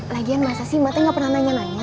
lagian masa sih matanya nggak pernah nanya nanya